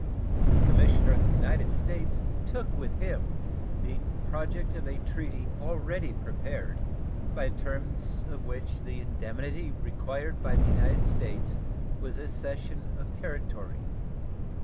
The commissioner of the United States took with him the project of a treaty already prepared, by the terms of which the indemnity required by the United States was a cession of territory.